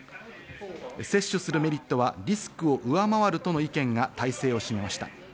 接種するメリットはリスクを上回るとの意見が大勢を占めました。